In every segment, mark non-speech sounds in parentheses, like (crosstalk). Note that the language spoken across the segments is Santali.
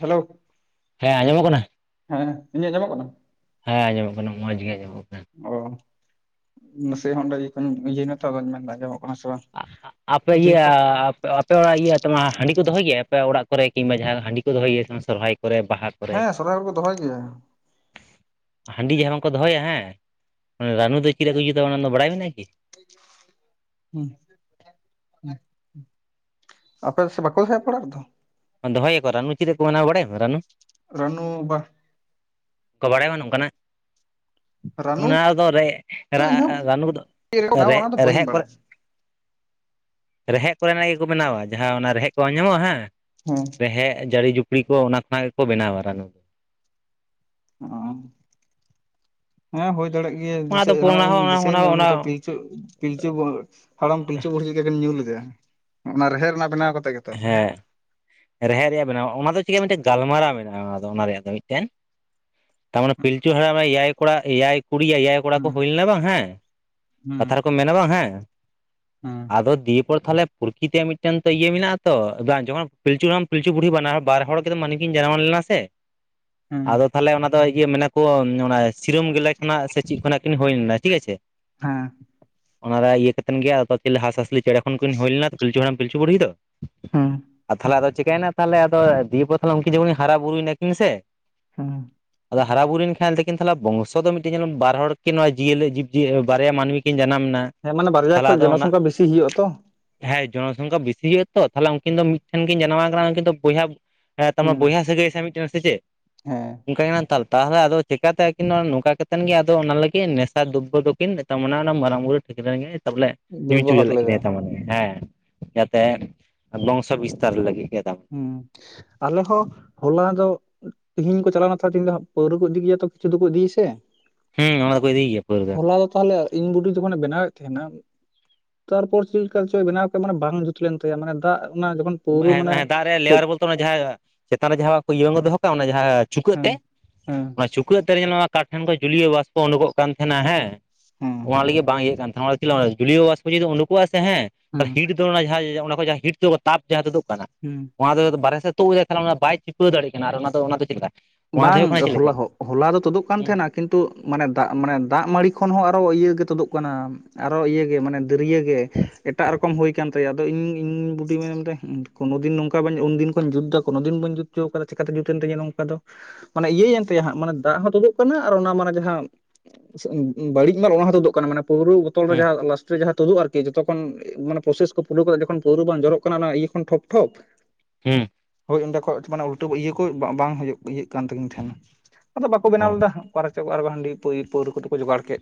ᱦᱮᱞᱳ ᱦᱮᱸ ᱟᱸᱡᱚᱢᱚᱜ ᱠᱟᱱᱟ ᱦᱮᱸ ᱤᱧᱟᱹᱜ ᱟᱸᱡᱟᱢᱚᱜ ᱠᱟᱱᱟ? ᱦᱮᱸ ᱟᱸᱚᱢᱚᱜ ᱠᱟᱱᱟ ᱢᱚᱸᱡᱽ ᱜᱮ ᱟᱸᱚᱢᱚᱜ ᱠᱟᱱᱟ᱾ ᱚ ᱱᱟᱥᱮᱭᱟᱜ ᱦᱚᱸ ᱚᱸᱰᱮ ᱤᱭᱟᱹ ᱤᱭᱟᱹᱭ ᱱᱟᱛᱚ ᱢᱮᱱᱫᱟ ᱟᱸᱚᱢᱚᱜ ᱠᱟᱱᱟ ᱥᱮ ᱵᱟᱝ᱾ ᱟᱯᱮ ᱜᱮ ᱟ ᱫᱤᱭᱮᱯᱚᱨ ᱚᱯ ᱟᱯᱮ ᱚᱲᱟᱜ ᱤᱭᱟᱹᱛ ᱢᱟ ᱦᱟᱺᱰᱤ ᱠᱚ ᱫᱚᱦᱚᱭ ᱜᱮᱭᱟ ᱟᱯᱮ ᱚᱲᱟᱜ ᱠᱚᱨᱮ ᱠᱤᱢᱵᱟ ᱡᱟᱦᱟᱸ ᱦᱟᱺᱰᱤ ᱠᱚ ᱫᱚᱦᱚᱭᱭᱟ ᱥᱚᱨᱦᱟᱭ ᱠᱚᱨᱮ ᱵᱟᱦᱟ ᱦᱮᱸ ᱥᱚᱨᱦᱟᱭ ᱨᱮᱠᱚ ᱫᱚᱦᱚᱭ ᱜᱮᱭᱟ ᱦᱟᱹᱰᱤ ᱡᱟᱦᱟᱸ ᱵᱟᱝᱠᱚ ᱫᱚᱦᱚᱭᱟ ᱦᱮᱸ ᱨᱟᱱᱩ ᱫᱚ ᱪᱮᱫ ᱞᱮᱠᱟ ᱠᱚ ᱡᱩᱛᱟ ᱚᱱᱟ ᱵᱟᱲᱟᱭ ᱢᱮ ᱠᱤ ᱦᱮᱸ (inaudible) ᱟᱯᱮ ᱥᱮ ᱵᱟᱠᱩ ᱦᱮᱡ ᱵᱟᱲᱟᱜ ᱟᱫᱚ ᱫᱚᱦᱚᱭ ᱟᱠᱚ ᱨᱟᱱᱩ ᱪᱤᱨ ᱨᱮᱠᱚ ᱵᱮᱱᱟᱣᱟ ᱵᱟᱰᱟᱭ ᱟᱯᱮ ᱨᱟᱱᱩ ᱨᱟᱹᱱᱩ ᱵᱟ᱾ ᱠᱚ ᱵᱟᱲᱟᱭᱟ ᱚᱝᱠᱟᱱᱟᱜ ᱨᱟᱹᱱᱩ ᱚᱱᱟ ᱨᱮᱫᱚ ᱨᱮ ᱫᱚ ᱤᱧᱦᱚᱸ ᱨᱟᱱᱩ ᱠᱚᱫᱚ ᱵᱮᱱᱟᱣᱟ ᱨᱮ ᱚᱱᱟ ᱫᱚ ᱵᱟᱹᱧ ᱨᱮᱦᱮᱫ ᱵᱟᱲᱟᱭᱟ ᱠᱚᱨᱮᱜ ᱨᱮᱦᱮᱫ ᱠᱚ ᱨᱮᱱᱟᱜ ᱤᱭᱟᱹ ᱠᱚ ᱡᱟᱦᱟᱸ ᱚᱱᱟ ᱨᱮᱦᱮᱫ ᱠᱚ ᱧᱟᱢᱚᱜ-ᱟ ᱦᱮᱸ᱾ ᱦᱮᱸ ᱨᱮᱦᱮᱫ ᱡᱟᱹᱲᱤ ᱡᱩᱯᱲᱤ ᱠᱚ ᱚᱱᱟ ᱠᱷᱚᱱᱟᱜ ᱜᱮᱠᱚ ᱵᱮᱱᱟᱣᱟ ᱨᱟᱱᱩ᱾ ᱚ ᱦᱮᱸ ᱦᱩᱭ ᱫᱟᱲᱮᱭᱟᱜ ᱜᱮᱭᱟ ᱫᱤᱥ ᱚᱱᱟ ᱥᱮ ᱫᱚ ᱚᱱᱟ ᱦᱚᱸ ᱫᱤᱥᱟᱹᱭ ᱚᱱᱟ ᱢᱮ ᱩᱱ ᱚᱱᱟ ᱜᱚᱫᱟ ᱯᱤᱪ᱾ ᱯᱤᱞᱪᱩ ᱯᱤᱞᱪᱩ ᱵᱩᱦ ᱦᱟᱲᱟᱢ ᱯᱤᱞᱪᱩ ᱵᱩᱲᱦᱤ ᱞᱮᱠᱟ ᱠᱤᱱ ᱧᱩ ᱞᱮᱫᱟ ᱚᱱᱟ ᱨᱮᱦᱮᱫ ᱨᱮᱱᱟᱜ ᱵᱮᱱᱟᱣ ᱠᱟᱛᱮᱜ ᱜᱮ᱾ ᱦᱮᱸ ᱨᱮᱦᱮᱫ ᱨᱮᱭᱟᱜ ᱵᱮᱱᱟ ᱚᱱᱟ ᱫᱚ ᱪᱤᱠᱟᱹ ᱢᱤᱫᱴᱮᱱ ᱜᱟᱞᱢᱟᱨᱟᱣ ᱢᱮᱱᱟᱜ-ᱟ ᱚᱱᱟ ᱫᱚ ᱚᱱᱟ ᱨᱮᱭᱟᱜ ᱫᱚ ᱢᱤᱫᱴᱮᱱ ᱛᱟᱨᱢᱟᱱᱮ ᱯᱤᱞᱪᱩ ᱦᱟᱲᱟᱢ ᱮᱭᱟᱭ ᱠᱚᱲᱟ ᱮᱭᱟᱭ ᱠᱩᱲᱤ ᱮᱭᱟᱭ ᱠᱚᱲᱟ ᱠᱚ ᱦᱩᱸ ᱦᱩᱭ ᱞᱮᱱᱟ ᱵᱟᱝ ᱦᱮᱸ ᱦᱩᱸ ᱠᱟᱛᱷᱟ ᱨᱮᱠᱚ ᱢᱮᱱ ᱵᱟᱝ ᱦᱮᱸ ᱦᱩᱸ ᱟᱫᱚ ᱫᱤᱭᱮ ᱯᱚᱨ ᱛᱟᱦᱚᱞᱮ ᱯᱨᱩᱨᱚᱠᱤ ᱛᱮᱭᱟᱜ ᱢᱤᱫᱴᱮᱱ ᱛᱚ ᱤᱭᱟᱹ ᱢᱮᱱᱟᱜ᱾ ᱛᱚ ᱫᱟ ᱡᱚᱠᱷᱚᱱ ᱯᱤᱞᱪᱩ ᱦᱟᱲᱟᱢ ᱯᱤᱞᱪᱩ ᱵᱩᱲᱦᱤ ᱵᱟᱱᱟ ᱵᱟᱨ ᱦᱚᱲ ᱜᱮᱛᱚ ᱢᱟᱱᱢᱤ ᱠᱤᱱ ᱡᱟᱱᱟᱣᱢ ᱞᱮᱱᱟ ᱥᱮ, ᱦᱩᱸ ᱟᱫᱚ ᱛᱟᱦᱚᱞᱮ ᱚᱱᱟ ᱫᱚ ᱤᱭᱟᱹ ᱢᱮᱱᱟᱠᱚ, ᱚᱱᱟ ᱥᱤᱨᱟᱹᱢ ᱜᱮᱞᱮ ᱠᱷᱚᱱᱟᱜ ᱥᱮ ᱪᱮᱫ ᱠᱷᱚᱱᱟᱜ ᱠᱤᱱ ᱦᱩᱭ ᱞᱮᱱᱟ ᱴᱷᱤᱠ ᱟᱪᱷᱮ ᱦᱮᱸ ᱚᱱᱟ ᱨᱮ ᱤᱭᱟᱹ ᱠᱟᱛᱮᱱ ᱜᱮ ᱟᱫᱚ ᱪᱤᱞᱤ ᱦᱟᱸᱥᱼᱦᱟᱸᱥᱞᱤ ᱪᱮᱬᱮ ᱠᱷᱚᱱᱠᱤᱱ ᱦᱩᱭ ᱞᱮᱱᱟ ᱯᱤᱞᱪᱩ ᱦᱟᱲᱟᱢ ᱯᱤᱞᱪᱩ ᱵᱩᱲᱦᱤ ᱫᱚ ᱾ ᱦᱩᱸᱢ ᱟᱨ ᱛᱟᱦᱚᱞᱮ ᱟᱫᱚ ᱪᱤᱠᱟᱹᱭᱱᱟ ᱛᱟᱦᱞᱮ ᱟᱫᱚ ᱫᱤᱭᱮᱯᱚᱨ ᱛᱟᱦᱞᱮ ᱩᱱᱠᱤ ᱡᱚᱠᱷᱚᱱ ᱠᱤᱱ ᱦᱟᱨᱟ ᱵᱩᱨᱩᱭᱱᱟ ᱠᱤᱱ ᱥᱮ, ᱦᱩᱸ ᱟᱫᱚ ᱦᱟᱨᱟ ᱵᱩᱨᱩᱭᱮᱱ ᱠᱷᱟᱱ ᱫᱚᱠᱤᱱ ᱛᱟᱦᱞᱮ ᱵᱚᱝᱥᱚ ᱫᱚ ᱢᱤᱜᱴᱮᱡ ᱧᱮᱞ ᱢᱮ ᱵᱟᱨ ᱦᱚᱲ ᱠᱤᱱ ᱱᱚᱣᱟ ᱡᱤᱭᱟᱹᱞᱤ ᱡᱤᱵᱽᱤᱭᱟᱹ ᱵᱟᱨᱭᱟ ᱢᱟᱱᱢᱤ, ᱠᱤᱱ ᱡᱟᱱᱟᱢ ᱮᱱᱟ ᱦᱮᱸ ᱢᱟᱱᱮ ᱵᱟᱨᱭᱟ ᱛᱟᱦᱚᱞᱮ ᱠᱷᱚᱡ ᱟᱫᱚ ᱚᱱᱟ ᱡᱚᱱᱚᱥᱚᱝᱠᱷᱟ ᱵᱮᱥᱤ ᱦᱩᱭᱩᱜᱼᱟ ᱛᱚ, ᱦᱮᱸ ᱡᱚᱱᱚᱥᱚᱝᱠᱷᱟ ᱵᱮᱥᱤ ᱦᱩᱭᱩᱜᱼᱟ ᱛᱚ, ᱛᱟᱦᱚᱞᱮ ᱩᱱᱠᱤᱱ ᱫᱚ ᱢᱤᱫᱴᱷᱮᱱ ᱠᱤᱱ ᱡᱟᱱᱟᱢ ᱟᱠᱟᱱᱟ ᱩᱱᱠᱤᱱ ᱫᱚ ᱵᱚᱭᱦᱟ ᱦᱮᱸ ᱛᱟᱢ ᱦᱩᱸ ᱵᱚᱭᱦᱟ ᱥᱟᱹᱜᱟᱹᱭ ᱥᱮ ᱢᱤᱜᱴᱮᱱ ᱥᱮ ᱪᱮᱫ, ᱦᱮᱸ ᱚᱱᱠᱟ ᱠᱟᱱᱟ ᱛᱟᱞ ᱛᱟᱦᱚᱞᱮ ᱟᱫᱚ ᱪᱮᱠᱟᱛᱮ ᱟᱹᱠᱤᱱ ᱱᱚᱝᱠᱟ ᱠᱟᱛᱮᱫ ᱜᱮ ᱟᱫᱚ ᱚᱱᱟ ᱞᱟᱹᱜᱤᱫ ᱱᱮᱥᱟ ᱫᱩᱵᱵᱚ ᱫᱚᱠᱤᱱ ᱮᱛᱟᱢ ᱚᱱᱟ ᱚᱱᱟ ᱢᱟᱨᱟᱝ ᱵᱩᱨᱩ ᱴᱷᱟᱹᱠᱨᱟᱹᱱ ᱜᱮ ᱛᱚᱵᱚᱞᱮ, ᱧᱩ ᱦᱚᱪᱚᱭ ᱵᱮᱵᱚᱦᱟᱨ ᱞᱮᱫ ᱞᱮᱫᱟ ᱠᱤᱱᱟ ᱛᱟᱢᱟᱱᱮ ᱦᱮᱸ ᱡᱟᱛᱮ ᱵᱚᱝᱥᱚ ᱵᱤᱥᱛᱟᱨ ᱞᱟᱹᱜᱤᱫ ᱜᱮ, ᱦᱩᱸ ᱟᱞᱮ ᱦᱚᱸ ᱦᱚᱞᱟ ᱫᱚ ᱛᱮᱦᱤᱧ ᱠᱚ ᱪᱟᱞᱟᱣᱱᱟ ᱛᱟᱦᱟᱞᱮ ᱛᱮᱦᱮᱧ ᱫᱚ ᱦᱟᱸᱜ ᱯᱟᱹᱣᱨᱟᱹ ᱠᱚ ᱤᱫᱤ ᱜᱮᱭᱟ ᱛᱚ ᱠᱤᱪᱷᱩ ᱫᱚᱠᱚ ᱤᱫᱤᱭᱟ ᱥᱮ ᱾ ᱦᱩᱸ ᱚᱱᱟ ᱫᱚᱠᱚ ᱤᱫᱤᱭ ᱜᱮᱭᱟ ᱯᱟᱹᱣᱨᱟᱹ ᱫᱚ ᱾ ᱦᱚᱞᱟ ᱫᱚ ᱛᱟᱦᱚᱞᱮ ᱤᱧ ᱵᱩᱰᱤ ᱡᱚᱠᱷᱚᱱᱮ ᱵᱮᱱᱟᱣ ᱮᱫ ᱛᱟᱸᱦᱮᱱᱟ ᱛᱟᱨᱯᱚᱨ ᱪᱮᱜ ᱞᱮᱠᱟ ᱪᱚᱭ ᱵᱮᱱᱟᱣ ᱠᱮᱫ ᱢᱟᱱᱮ ᱵᱟᱝ ᱡᱩᱛ ᱞᱮᱱ ᱛᱟᱭᱟ ᱢᱟᱱᱮ ᱫᱟᱜ ᱚᱱᱟ ᱡᱚᱠᱷᱚᱱ ᱯᱟᱹᱣᱨᱟᱹ ᱢᱟᱱᱮ ᱦᱮᱸ ᱫᱟᱜ ᱨᱮ ᱛᱩᱫ ᱞᱮᱭᱟᱨ ᱵᱚᱞᱛᱮ ᱚᱱᱟ ᱡᱟᱸᱦᱟ ᱪᱮᱛᱟᱱ ᱨᱮ ᱡᱟᱸᱦᱟ ᱤᱭᱟᱹ ᱵᱟᱝ ᱠᱚ ᱫᱚᱦᱚ ᱠᱟᱜ-ᱟ ᱚᱱᱟ ᱡᱟᱸᱦᱟ ᱪᱩᱠᱟᱹᱜ ᱦᱮᱸ ᱛᱮᱜ ᱦᱮᱸ ᱚᱱᱟ ᱪᱩᱠᱟᱹᱜ ᱛᱮ ᱨᱮ ᱧᱮᱞ ᱢᱮ ᱢᱟ ᱠᱟᱴᱷ ᱴᱷᱮᱱ ᱠᱷᱚᱡ ᱡᱳᱞᱤᱭᱳ ᱵᱟᱥᱯᱚ ᱳᱸᱰᱳᱜᱚᱜ ᱠᱟᱱ ᱛᱟᱸᱦᱮᱱᱟ ᱦᱮᱸ ᱦᱮᱸ ᱾ ᱚᱱᱟ ᱞᱟᱹᱜᱤᱫ ᱵᱟᱝ ᱤᱭᱟᱹᱜ ᱠᱟᱱ ᱛᱟᱸᱦᱮᱜ ᱡᱳᱞᱤᱭᱚ ᱵᱟᱥᱯᱚ ᱡᱩᱫᱤ ᱩᱰᱩᱠᱚᱜ-ᱟ ᱥᱮ ᱦᱮᱸ ᱛᱟᱦᱚᱞᱮ ᱦᱤᱴ ᱫᱚ ᱚᱱᱟ ᱡᱟᱸᱦᱟ ᱚᱱᱟ ᱠᱷᱚᱱ ᱡᱟᱸᱦᱟ ᱦᱤᱴ ᱫᱚ ᱛᱟᱯ ᱡᱟᱸᱦᱟ ᱛᱳᱫᱳᱜ ᱠᱟᱱᱟ ᱾ ᱦᱩᱸ, ᱚᱱᱟ ᱫᱚ ᱵᱟᱨᱦᱮ ᱥᱮᱫ ᱛᱳᱫ ᱜᱮ ᱠᱟᱱᱟ ᱚᱱᱟ ᱵᱟᱭ ᱪᱤᱯᱟᱹᱣ ᱫᱟᱲᱮᱜ ᱠᱟᱱᱟ ᱟᱨ ᱚᱱᱟ ᱫᱚ ᱚᱱᱟ ᱫᱚ ᱪᱮᱫ ᱞᱮᱠᱟ ᱚᱱᱟ ᱫᱚ ᱵᱟᱝ ᱦᱩᱭᱩᱜ ᱠᱟᱱᱟ ᱪᱮᱫ ᱞᱮᱠᱟ ᱦᱚᱞᱟ ᱦᱚᱸ ᱦᱚᱞᱟ ᱫᱚ ᱛᱳᱫᱳᱜ ᱠᱟᱱ ᱦᱩᱸ ᱛᱟᱸᱦᱮᱱᱟ ᱠᱤᱱ ᱛᱳᱜ ᱢᱟᱱᱮ ᱫᱟᱜ ᱢᱟᱱᱮ ᱫᱟᱜ ᱢᱟᱹᱲᱤ ᱠᱷᱚᱱ ᱦᱚᱸ ᱟᱨᱚ ᱤᱭᱟᱹ ᱛᱳᱫᱳᱜ ᱠᱟᱱᱟ, ᱟᱨᱚ ᱤᱭᱟᱹ ᱜᱮ ᱢᱟᱱᱮ ᱫᱟᱹᱨᱭᱟᱹ ᱜᱮ ᱮᱴᱟᱜ ᱨᱚᱠᱚᱢ ᱦᱳᱭ ᱠᱟᱱ ᱛᱟᱭᱟ ᱟᱫᱚ ᱤᱧ-ᱤᱧ ᱤᱧ ᱵᱩᱰᱤ ᱢᱮᱱ ᱫᱟᱭ ᱠᱳᱱᱳ ᱫᱤᱱ ᱱᱚᱝᱠᱟ ᱵᱟᱹᱧ ᱩᱱ ᱫᱤᱱ ᱠᱷᱚᱱ ᱡᱩᱛᱫᱟ ᱠᱳᱱᱳ ᱫᱤᱱ ᱵᱟᱹᱧ ᱡᱩᱛ ᱦᱚᱪᱚ ᱟᱠᱟᱫᱟ ᱪᱮᱠᱟᱛᱮ ᱡᱩᱛ ᱮᱱ ᱛᱤᱧᱟ ᱱᱚᱝᱠᱟ ᱫᱚ? ᱢᱟᱱᱮ ᱤᱭᱟᱹᱭᱮᱱ ᱛᱟᱭᱟ ᱦᱟᱸᱜ ᱢᱟᱱᱮ ᱫᱟᱜ ᱦᱚᱸ ᱛᱳᱫᱳᱜ ᱠᱟᱱᱟ ᱟᱨ ᱚᱱᱟ ᱢᱟᱱᱮ ᱡᱟᱸᱦᱟ ᱵᱟᱹᱲᱤᱡ ᱢᱟᱞ ᱚᱱᱟ ᱦᱚᱸ ᱛᱳᱫᱳᱜ ᱠᱟᱱᱟ ᱢᱟᱱᱮ ᱯᱟᱹᱣᱨᱟᱹ ᱵᱳᱛᱚᱞ ᱨᱮ ᱡᱟᱸᱦᱟ ᱞᱟᱥᱴᱮ ᱨᱮ ᱡᱟᱸᱦᱟ ᱛᱳᱫᱳᱜ-ᱟ ᱟᱨ ᱠᱤ ᱡᱚᱛᱚ ᱠᱷᱚᱱ ᱢᱟᱱᱮ ᱯᱨᱚᱥᱮᱥ ᱠᱚ ᱯᱷᱳᱞᱳ ᱠᱟᱛᱮ ᱡᱚᱠᱷᱚᱱ ᱯᱟᱹᱣᱨᱟᱹ ᱵᱟᱝ ᱡᱚᱨᱚᱜ ᱠᱟᱱᱟ ᱚᱱᱟ ᱤᱭᱟᱹ ᱠᱷᱚᱱ ᱴᱷᱚᱯ ᱴᱷᱚᱯ ᱦᱩᱸ, ᱦᱳᱭ ᱚᱸᱰᱮ ᱠᱷᱚᱡ ᱢᱟᱱᱮ ᱩᱞᱴᱟᱹ ᱤᱭᱟᱹ ᱠᱚ ᱵᱟᱝ ᱦᱳᱭᱳᱜ ᱤᱭᱟᱹᱜ ᱠᱟᱱ ᱛᱟᱠᱤᱱ ᱛᱟᱸᱦᱮᱱ ᱟᱫᱚ ᱵᱟᱠᱚ ᱵᱮᱱᱟᱣ ᱚ ᱞᱮᱫᱟ ᱾ ᱚᱠᱟ ᱨᱮᱪᱚ ᱚᱠᱟᱨᱮ ᱠᱚ ᱦᱟᱺᱰᱤ ᱯᱟᱹᱭ ᱯᱟᱹᱣᱨᱟᱹ ᱠᱚᱫᱚ ᱠᱚ ᱡᱚᱜᱟᱲ ᱠᱮᱫ?